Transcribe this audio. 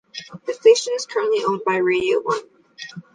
The station is currently owned by Radio One.